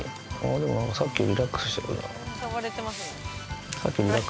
でも何かさっきよりリラックスしてるな。